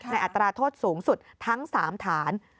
อัตราโทษสูงสุดทั้ง๓ฐาน